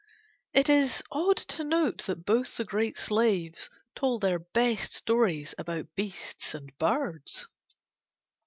It is odd to note that both the great slaves told their best stories about beasts and birds.